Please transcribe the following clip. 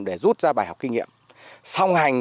để rút ra bài học kinh nghiệm xong hành